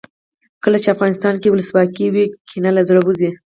کله چې افغانستان کې ولسواکي وي کینه له زړه وځي.